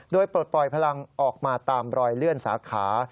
โดยปลดปล่อยพลังออกมาตามรอยเลื่อนสาขา